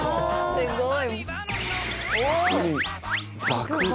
すごい。